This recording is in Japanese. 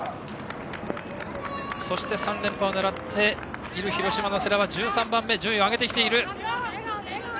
そして３連覇を狙っている広島の世羅は１３番目と順位を上げてきている。